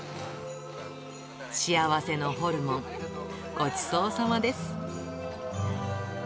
幸せのホルモン、ごちそうさまです。